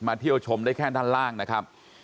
เที่ยวชมได้แค่ด้านล่างนะครับ